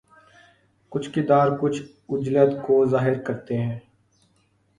کچھ کردار کچھ عجلت کو ظاہر کرتے ہیں